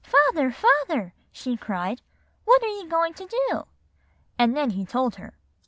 'Father, father,' she cried, 'what are you going to do?' And then he told her.